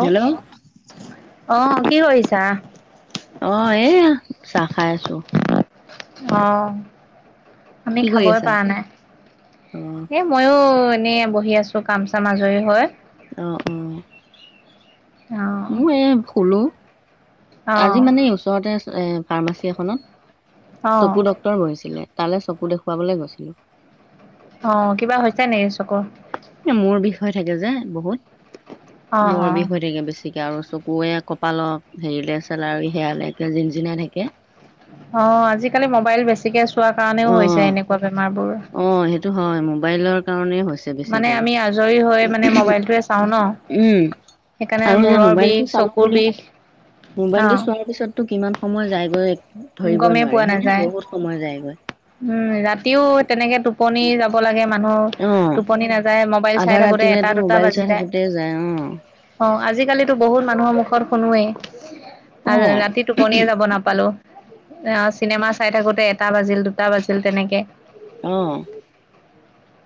কেল্ল' আহ কি কৰিছা অহ এয়া চাহ খাই আছো অহ আমি কি কৰি খাবই আছা পৰা নাই অ এ মইও এনে বহি আছো কাম চাম আজৰি হৈ অহ অহ অ মই এ শুলো অ আজি মানে এই ওচৰতে এ ফাৰ্মাচী অ এখনত চকু ডক্তৰ বহিছিলে তাৰলে চকু দেখুৱাবলৈ গৈছিলোঁ অ কিবা হৈছে নেকি চকুৰ মোৰ বিষয়ে থাকে যে অ বহুত মোৰ অ বিষ হৈ থাকে বেছিকে আৰু চকুৱে কপাত হেৰিলৈ চাল আৰু সেয়ালৈকে জিন জিনাই থাকে অ আজিকালি মোবাইল বেছিকে চোৱা অ কাৰণেও হৈছে এনেকুৱা বেমাৰ বোৰ অ সেইটো হয় মোবাইলৰ কাৰণেই হয় হৈছে মানে বেছিকে আমি আজৰি হৈ মানে মোবাইলটোৱে চাওঁ হুম ন। উম সেইকাৰণে আৰু যে মূৰৰ বিষ, মোবাইলটো চালো চকুৰ বুলি বিষ মোবাইলটো অ' চোৱাৰ পিছটো কিমান সময় যায়গৈ ধৰিবই গমেই নোৱাৰি পোৱা হয় নে নাযায়। বহুত সময় যায়গৈ উম ৰাতিওঁ তেনেকে টোপনি যাব লাগে মানুহৰ অ', টোপনি নাযায় মোবাইল চাই আধা থাকোতে এটা ৰাতিলেতো দুটা মোবাইল বাজি চাই যায় থাকোতে অ', অঁ আজি আজিকালি বহুত মানুহৰ মুখত শুনোৱেই আৰু অ', ৰাতি টোপনিয়ে যাব নাপালো অঁ চিনেমা চাই থাকোতে এটা বাজিল দুটা বাজিল তেনেকে অঁ।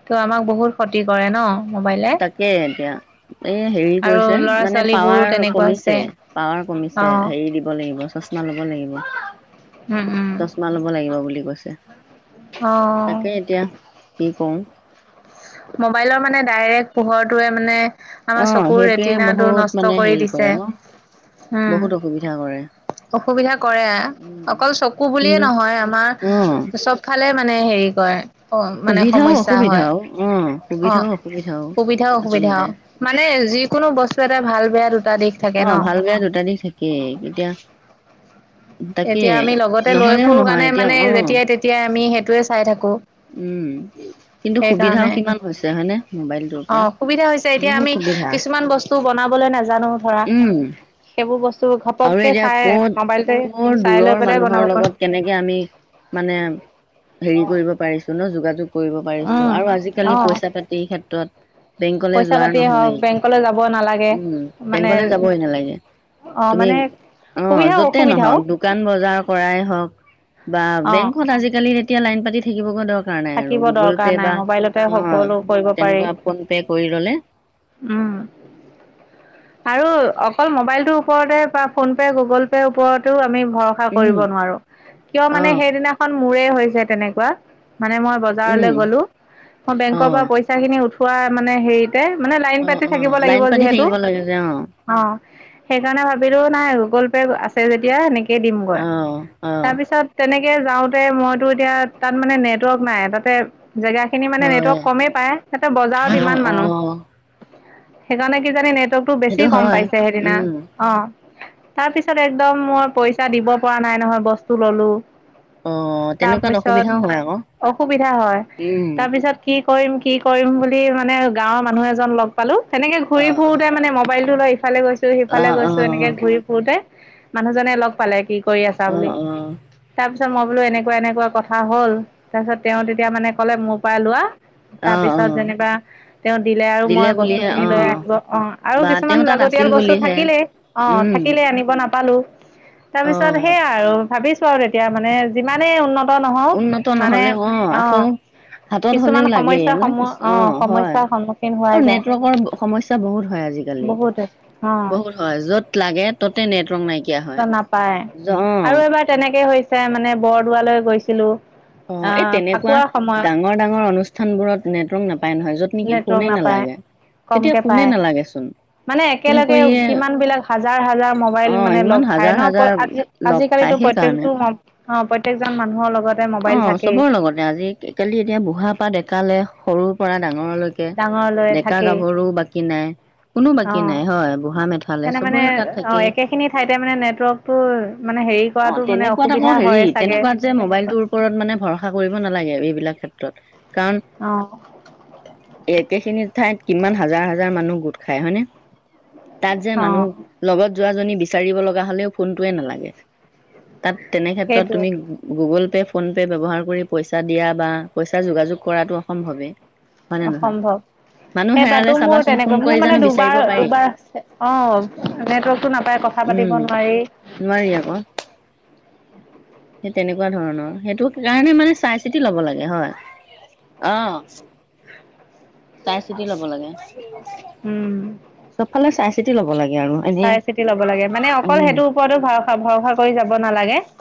ত আমাক বহুত ক্ষতি কৰে ন। মোবাইলে তাকে এতিয়া এই হেৰি আৰু কৰিছে ল'ৰা মানে ছোৱালী বোৰো পাৱাৰ তেনেকুৱা হৈছে কমিছে পাৱাৰ কমি। অ হেৰি দিব লাগিব চচমা লব লাগিব। অঁ চচমা লব লাগিব বুলি কৈছে। অ তাকে এতিয়া কি কৰো। মোবাইলৰ মানে ডাইৰেক্ট পোহৰটোৱে মানে আমাৰ অ', চকুৰ সেইটোৱে ৰেটিনাটো বহুত মানে নষ্ট কৰি হেৰি কৰে দিছে। ন উম বহুত অসুবিধা কৰে। অসুবিধা কৰে। উম, অকল চকু বুলিয়ে কিন্তু নহয় আমাৰ অ', চবফালে মানে হেৰি কৰে অ মানে সুবিধাও সমস্যা হয়। অসুবিধাও অ অঁ সুবিধাও অসুবিধাও সুবিধা অসুবিধা আচলতে মানে যিকোনো বস্তু এটা ভাল বেয়া। দুটা দিশ থাকে ন। অঁ ভাল বেয়া দুটা দিশ থাকেই। এতিয়া তাকে এতিয়া আমি লগতে লৈ নহলেও ফুৰো নহয় কাৰণে এতিয়া মানে অ যেতিয়াই তেতিয়াই আমি সেইটোয়ে চাই থাকো। উম কিন্তু সুবিধাও সেইকাৰণে কিমান হৈছে হয়নে মোবাইলটোৰ অঁ পৰা অসুবিধা হৈছে। এতিয়া বহুত আমি সুবিধা কিছুমান বস্তু বনাবলৈ নাজানো ধৰা। উম সেইবোৰ বস্তু ঘপককে চাই মোবাইলতে। ৰ চাই লৈ দূৰৰ পেলাই মানুহৰ বনাব পাৰো লগত কেনেকে আমি মানে হেৰি কৰিব। ন যোগাযোগ কৰিব পাৰিছো। উম আৰু অ আজিকালি পইচা পাতিৰ ক্ষেত্ৰত বেংকলে পইচা যোৱা পাতি হওক নহয়। বেংকলৈ যাব নালাগে উম মানে বেংকলে যাবই নালাগে। অ তুমি মানে অঁ সুবিধা যতে অসুবিধাও নহওঁক। দোকান বজাৰ কৰাই হওঁক বা অ বেংকত আজিকালি তেতিয়া লাইন পাতি থাকিবগৈ দৰকাৰ আৰু থাকিব গুগল দৰকাৰ পে নাই বা মোবাইলতে অঁ সকলো কৰিব পাৰি তেনেকুৱা ফোন পে কৰি ললে উম। আৰু অকল মোবাইলটোৰ ওপৰতে বা ফোন পে' গুগল পে'ৰ ওপৰতেও আমি ভৰসা উম কৰিব নোৱাৰো। কিয় অ মানে সেইদিনাখন মোৰেই হৈছে তেনেকুৱা মানে মই বজাৰলৈ উম গ'লোঁ। মই অ বেংকৰ পৰা পইচাখিনি উঠোৱা মানে হেৰিত মানে লাইন অ পাতি অ থাকিব লাগিব। লাইন পাতি যিহেতু থাকিব লাগে যে অ অঁ সেইকাৰণে ভাবিলোঁ। নাই গুগল পে আছে যেতিয়া সেনেকেই দিম গৈ। অ অ তাৰপিছত তেনে যাওঁতে মইতো এতিয়া তাত মানে নেটৱৰ্ক নাই তাতে জেগা খিনি মানে হয় নেটৱৰ্ক কমেই পায় সিহঁতে বজাৰত অ ইমান অ মানুহ সেইকাৰণে কি জানি নেটৱৰ্কতটো বেছি সেইটো কম হয় পাইছে সেইদিনা উম অঁ তাৰ পিছত একদম মই পইচা দিব পৰা নাই নহয় বস্তু ললো। অঁ তেনেকুৱাত তাৰপিছত অসুবিধাওঁ হয় আকৌ। অসুবিধা হয় উম তাৰপিছত কি কৰিম কি কৰিম বুলি। য মানে গাঁৱৰ মানুহ এজন লগ পালো। সনেকে অ ঘূৰি অ ফুৰোতে মানে মোবাইলটো লৈ ইফালে গৈছো অ সিফালে অ গৈছো এনেকে ঘূৰি ফুৰোতে মানুহজনে লগ পালে কি কৰি আছা অ বুলি। তাৰপিছত মই বোলো এনেকুৱা এনেকুৱা কথা হ'ল। তাৰপিছত তেওঁ তেতিয়া মানে কলে মোৰ পৰা লোৱা। অ অ অ তাৰপিছত যেনিবা তেওঁ দিলে আৰু মই বস্তু বুলিহে খিনি লৈ অ আহিব অঁ আৰু বা তেওঁ কিছুমান লাগ। তাত আছিল লাগতিয়াল বস্তু বুলিহে থাকিলে। অঁ উম থাকিলে আনিব নাপালো। অ তাৰপিছত সেইয়া আৰু ভাবিছো আৰু তেতিয়া মানে যিমানেই উন্নত নহওঁক। নহলে অঁ আকৌ হাতত কিছুমান হ'লেও লাগে সমস্যা ন সম অ অঁ হয় সমস্যাৰ সন্মুখীন হোৱাই আৰু যায় নেটৱৰ্কৰ সমস্যা বহুত হয়। আজিকালি। বহুতে বহুত অ হয় যত লাগে ততে নেটৱৰ্ক নাইকিয়া হয়। নাপায় অ আৰু এবাৰ তেনেকে হৈছে মানে বৰদোৱালৈ গৈছিলো। অ এই আহ তেনেকুৱা ফাকুৱাৰ সময়ত ডাঙৰ ডাঙৰ অনুষ্ঠান বোৰত নেটৱৰ্ক নাপায় নহয়, য'ত নেকি নেটৱৰ্ক ফোনে নাপায় নালাগে। তেতিয়া কমকে পায় ফোনে নালাগেচোন। মানে ফোন একেলগে কৰিয়ে কিমান বিলাক হাজাৰ হাজাৰ মোবাইল অ মানে ইমান লগ খাই হাজাৰ হাজাৰ ন? লগ আজিকালিতো পায় প্ৰত্যেক সেইকাৰণে অ প্ৰত্যেকজন মানুহৰ লগত অ চবৰ লগতে। আজি কালি এতিয়া বুঢ়া পা ডেকালে সৰু ডাঙৰলৈকে, ডাঙৰলৈ ডেকা থাকেই গাভৰুও বাকী নাই। কোনো অ বাকী নাই, হয়। বুঢ়া মেথালে সেইকাৰণে মানে চবৰে তাত অ থাকেই। একেখিনি ঠাইতে মানে নেটৱৰ্কটো মানে হেৰি অ কৰাটো মানে তেনেকুৱাত আকৌ অসুবিধা হেৰি হয় চাগে তেনেকুৱাত যে তেনেকুৱা মোবাইলটোৰ ওপৰত মানে ভৰসা কৰিব নালাগে এইবিলাক ক্ষেত্ৰত। কাৰণ অ একেখিনি ঠাইত কিমান হাজাৰ হাজাৰ মানুহ গোট খাই হয়নে? তাত যে অ মানুহ লগত যোৱা জনী বিচাৰিবলগীয়া হ'লেও ফোনটোয়েই নালাগে। তাত তেনে ক্ষেত্ৰত সেইটোৱে তুমি গুগুল ফোন পে ব্যৱহাৰ কৰি পইচা দিয়া বা পইচা যোগাযোগ কৰাটো অসম্ভৱে। অসম্ভৱ। সেই তাতো মোৰ চাবাচোন ফোন তেনেকে কৰি মোৰ জানো মানে বিচাৰিব দুবাৰ পাৰি দুবাৰ, অঁ নেটৱৰ্ক টো নাপায় আক'। কথা উম পাতিব নোৱাৰি। নোৱাৰি আকৌ। [inaudible] সেই তেনেকুৱা ধৰণৰ। সেইটো কাৰণে মানে চাই- চিতি লব লাগে, হয়? অঁহ। চাই-চিতি লব লাগে। উম চবফালে চাই- চিতি ল'ব লাগে আৰু এনেই চাই নেলাগে। ও উম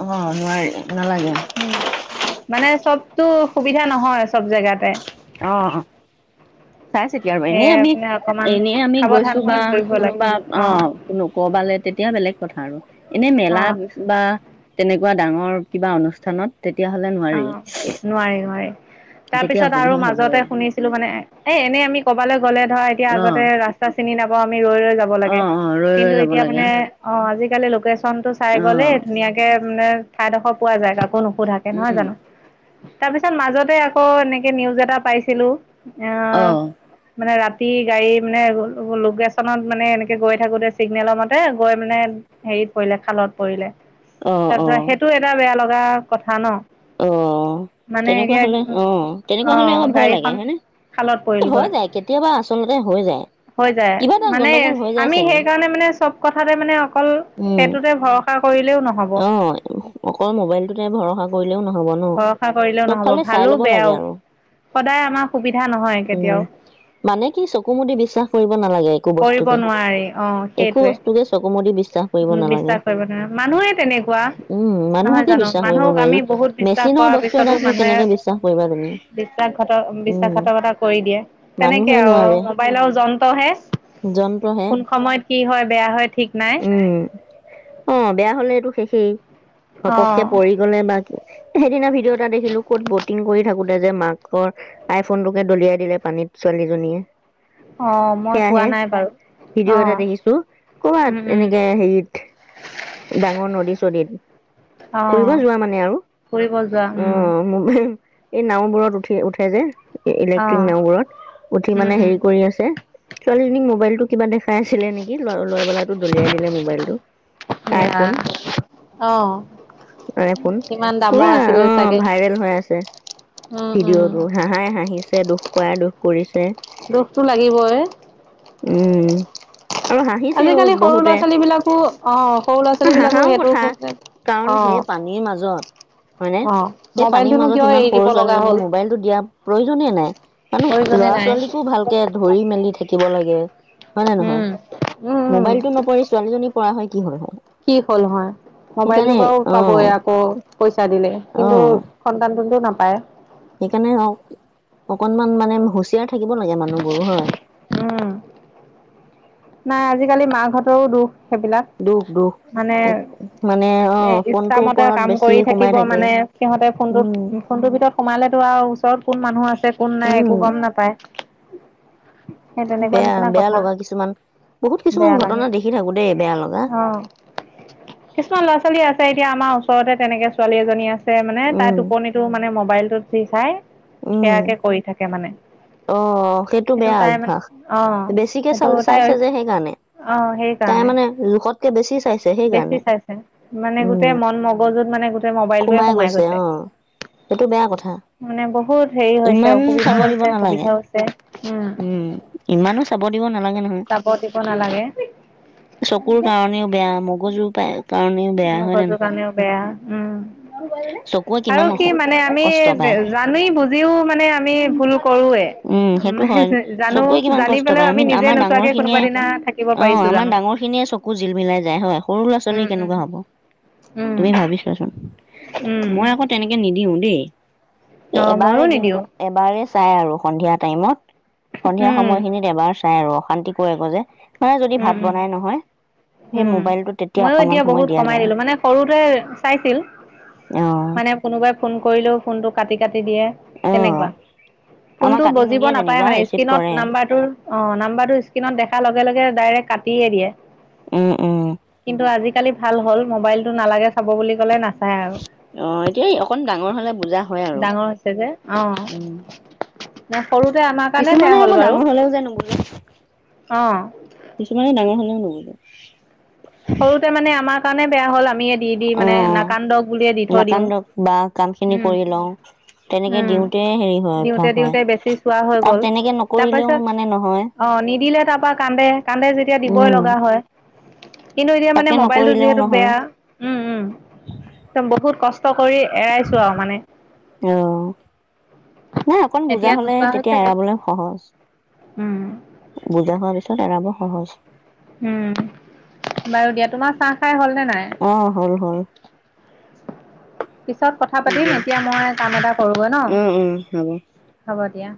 অ নোৱাৰি নালাগে মানে চব টো সুবিধা নহয় চব জেগাতে। অঁহ চাই চিতি আৰু এনেই সেয়ে আমি মানে অকমান এনেই আমি সাৱধান গৈছো হৈ বা ঘূৰিব লাগে কোনোবা অ', অঁ কোনো কবালৈ তেতিয়া বেলেগ কথা আৰু। এনেই মেলা অ'। গৈছোঁ বা তেনেকুৱা ডাঙৰ কিবা অনুষ্ঠানত তেতিয়া হ'লে নোৱাৰি। অ', নোৱাৰি নোৱাৰি। তেতিয়া তাৰপিছত আৰু অসুবিধা হ'বই মাজতে শুনিছিলো মানে এ এনেই আমি কবালৈ গ'লে ধৰা এতিয়া অ আগতে ৰাস্তা চিনি নাপাম আ ৰৈ ৰৈ যাব অ', লাগে। অ', ৰৈ কিন্তু ৰৈ যাব এতিয়া লাগে মানে অঁ আজি কালি লোকেচনটো চাই গ'লেই অ', ধুনীয়াকে মানে ঠাইডোখৰ পোৱা যায়। কাকো নুসোধাকে, নহয় উম, জানো? তাৰপিছত মাজতে আকৌ এনেকে নিউজ এটা পাইছিলো আঁহ অ'। মানে ৰাতি গাড়ী মানে লোকেচনত মানে এনেকে গৈ থাকোতে চিগনেলৰ মতে গৈ মানে হেৰি পৰিলে, খালত পৰিলে। অ', তাৰপিছত অ', সেইটো এটা বেয়া লগা কথা ন। অ মানে তেনেকুৱা এতিয়া হ'লে, অঁ অ তেনেকুৱা হ'লে আকৌ ভয় গাড়ীখন লাগে হয় নে? খালত হৈ পৰিলগৈ যায় কেতিয়াবা আচলতে হৈ যায়। হৈ যায়। কিবা এটা মানে গণ্ডগোল হৈ যায় আমি চাগে। সেইকাৰণে মানে চব কথাতে মানে অকল সেইটোতে ভৰসা কৰিলেও নহ'ব। অঁ অকল মোবাইলটোতে ভৰসা কৰি লেও নহব ন। ভৰসা কৰিলেও চব নহ'ব ফালে ভালো চাই ল'ব বেয়াও লাগে আৰু। সদায় আমাৰ সুবিধা নহয় উম। কেতিয়াও। মানে কি চকু মুদি বিশ্বাস কৰিব নালাগে একো কৰিব বস্তুকে। নোৱাৰি একো বস্তুকে চকু মুদি বিছ উম বিশ্বাস কৰিব নালাগে। মানুহে তেনেকুৱা উম, নহয় মানুহকে জানো? বিশ্বাস কৰিব মানুহক নোৱাৰি। আমি বহুত বিশ্বাস মেচিনৰ কৰাৰ বস্তু পিছতো এটাকনো মানুহে কেনেকে বিশ্বাস কৰিবা তুমি বিশ্বাস উম। বিশ্বাসঘাতকতা কৰি দিয়ে। তেনেকে মানুহে আও আৰু নোৱাৰে মোবাইলও যন্ত্ৰহে। যন্ত্ৰহে কোন সময়ত কি হয় বেয়া হয় ঠিক নাই। অ বেয়া হ'লেটো শেষেই। অ ঘপককে পৰি গ'লে বা সেইদিনা ভিডিঅ' এটা দেখিলো ক'ত বট টিং কৰি থাকোতে যে মাকৰ আই ফোনটোকে দলিয়াই দিলে পানীত ছোৱালীজনীয়ে। অঁ, মই পোৱা সেয়াহে নাই বাৰু। অ ভিডিঅ' এটা দেখিছো কবাত উম উম এনেকে হেৰিত- ডাঙৰ নদী চদীত অ ফুৰিব যোৱা মানে আৰু ফুৰিব যোৱা অ উম এই নাওবোৰত উঠি উঠে যে। অ ইলেক্ট্ৰিক নাওবোৰত উঠি উম মানে উম হেৰি কৰি আছে। ছোৱালীজনীক মোবাইলটো- কিবা দেখাই আছিলে নেকি লৈ পেলাই টো দলিয়াই দিলে মোবাইলটো। অহ আইফোন। পুৰা অ চাগে ভাইৰেল হৈ আছে। উম উম ভিডিঅ' তটো হাঁহাই হাঁহিছে দুখ কৰাই দুখ কৰিছে। দুখটো লাগিবৈ। উম আৰু হাঁহিছেও বহুতে। ছোৱালী বিলাকো অ সৰু ল'ৰা ছোৱালী বিলাকো হাঁহাও সেইটো কথা। কাৰণ অ সেই পানীৰ মাজত- হয় নে অ সেই পানীৰ মোবাইলটোনো মাজত কিয় ইমান এৰি সৰু দিব লগা ছোৱালীজনীক হ'ল মোবাইলটো দিয়া প্ৰয়োজনে নাই। প্ৰয়োজনে ল'ৰা- নাই ছোৱালীকো ভালকে ধৰি মেলি থাকিব লাগে। হয় নে নহয়? উম উম উম মোবাইলতটো নপৰি ছোৱালীজনী পৰা হ'লে কি হ'ল হয়। কি হ'ল হয় মোবাইলটো সেইকাৰণে বাৰু অ পাবই আকৌ পইচা দিলে অ কিন্তু সন্তান। কিন্তু নাপায়। সেইকাৰণে অ অকনমান মানে হুচিয়াৰ। থাকিব লাগে মানুহবোৰ হয়। উম নাই আজিকালি মাক হঁতৰো দুখ। সেইবিলাক দুখ দুখ। মানে মানে অ ফোনটোৰ ইচ্ছামতে ওপৰত কাম বেছি কৰি সোমাই থাকিব থাকে মানে সিহঁতে উম ফোনটোত। ফোনটোৰ ভিতৰত সোমালেতো আও ওচৰত কোন মানুহ আছে কোন নাই উম একো গম নাপায়। সেই তেনেকুৱা বেয়া নিচিনা বেয়া কথা। লগা কিছুমান বহুত কিছুমান বেয়া লাগে ঘটনা দেখি থাকো দেই বেয়া লগা অ কিছুমান ল'ৰা ছোৱালী আছে। এতিয়া আমাৰ ওচৰতে তেনেকৈ ছোৱালী এজনী আছে মানে তাই উম টোপনিটো মানে মোবাইলটোত চুই চায়। উম সেয়াকে কৰি থাকে মানে। অ সেইটো বেয়া তাই মানে অভ্যাস অ বেছিকে সেইটো চাল তাইৰ চাইছে যে সেইকাৰণে অ তাই সেইকাৰণে। মানে জোখতকে বেছি চাইছে বেছি সেইকাৰণে চাইছে মানে উম গোটেই মন মগজুত মানে গোটেই মোবাইলটোৱে সোমাই গৈছে। সেইটো বেয়া কথা। মানে বহুত হেৰি হৈছে ইমান অসুবিধাও চাব দিব হৈছে নালাগে সুবিধাও হৈছে। উম ইমানো চাব দিব নালাগে নহয় তাপ তিপ নালাগে। চকুৰ কাৰণেও বেয়া মগজুৰ পাই কাৰণেও বেয়া হয় নে মগজুৰ নহয়? কাৰণেও বেয়া চকুৱে কিমান আৰু কি মানে আমি কষ্ট পায় জানি বুজিও মানে। আমি ভুল কৰোৱে। উম সেইটো হয় জানো চকুৱে কিমান জানি কষ্ট পায় পেলাইও আমি নিজে আমাৰ ডাঙৰ নোচোৱাকে কোনোবা খিনিয়ে দিনা থাকিব অ পাৰিছো আমাৰ জানো। ডাঙৰ চকু জিল মিলাই যায় হয় সৰু ল'ৰাোৱালী উম উম কেনেকুৱা হ'ব। উম তুমি ভাবি ছোৱাচোন উম মই আকৌ তেনেকে নিদিও দেই। অ এবাৰে ময়ো নিদিও দিনটোত এবাৰে চাই আৰু সন্ধিয়া টাইমত। সন্ধিয়া উম সময়খিনিত এবাৰ চাই আৰু অশান্তি কৰি ক যে মানে যদি উম ভাত উম বনাই নহয়। সেই উম মোবাইলটো তেতিয়া ময়ো অকনমান এতিয়া সময় বহুত দিয়া কমাই যায় দিলো আৰু মানে সৰুতে চাইছিল। অ মানে কোনোবাই ফোন কৰিলেও ফোনটো কাটি কাটি দিয়ে অ তেনেকুৱা। আমাৰ ফোনটো কাটি বজিব নিদিয়ে নাপায় যেনিবা মানে ৰিচিভ স্ক্ৰীণত কৰে নাম্বাৰটোৰ অ নাম্বাৰটো স্ক্ৰীণত দেখাৰ লগে লগে। ডাইৰেক্ট কাটিয়ে দিয়ে। উম উম। কিন্তু আজিকালি ভাল হ'ল মোবাইলটো নালাগে চাব বুলি কলে না- অহ এতিয়া অকণ ডাঙৰ হলে বুজা হয় আৰু ডাঙৰ হৈছে যে অঁ উম। সৰুতে আমাৰ কাৰণে কিছুমানে বেয়া হ'ল আকৌ বাৰু ডাঙৰ হলেও নুবুজে। অঁ কিছুমানে ডাঙৰ হলেও নুবুজে। সৰুতে মানে আমাৰ কাৰণে বেয়া হ'ল আম- আমিয়ে দি দি অ মানে নাকান্দক বুলিয়ে দি থৈ দিওঁ, নাকান্দক বা কাম খিনি উম। কৰি লওঁ তেনেকে উম, দিওঁতে হেৰি হয় অভ্যাস দিওঁতে হয় দিওঁতে বেছি চোৱা হৈ আৰু গল তেনেকে নকৰিলেও তাৰপাছত মানে নহয় অ'। অ' নিদিলে তাৰ পা কান্দে, কান্দে যেতিয়া দিবই উম লগা হয়। কিন্তু এতিয়া মানে তাকে মোবাইলটো নকৰিলেও যিহেতু নহয় বেয়া, উম উম, বহুত কছ কৰি এৰাইছো আৰু মানে। অ নাই অকন বুজা এতিয়া হলে নোচোৱা তেতিয়া হৈছেগে এৰাবলৈ সহজ। উম বুজা হোৱা পিছত এৰাব সহজ। উম, বাৰু দিয়া তোমাৰ চাহ খাই হ'লনে নাই? অহ হল হল। পিছত কথা পাতিম দিয়া এতিয়া মই কাম এটা। উম উম হব। এতিয়া।?